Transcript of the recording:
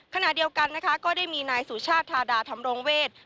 ขณะเดียวกันนะคะก็ได้มีนายสุชาติธาดาธรรมรงเวท